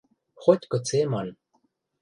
— Хоть-кыце ман...